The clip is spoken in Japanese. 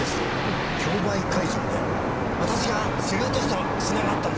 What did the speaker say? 競売会場で私が競り落とした品があったんですよ。